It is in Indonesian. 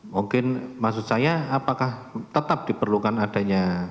mungkin maksud saya apakah tetap diperlukan adanya